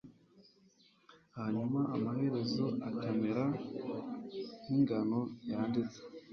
hanyuma amaherezo akamera nk'ingano yanditse